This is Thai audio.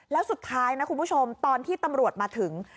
แล้วสุดท้ายนะคุณผู้ชมตอนที่ตำรวจมาถึง